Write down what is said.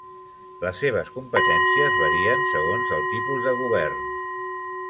Les seves competències varien segons el tipus de govern.